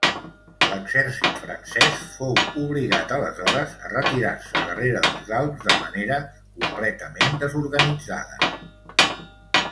L'exèrcit francès fou obligat aleshores a retirar-se darrere dels Alps de manera completament desorganitzada.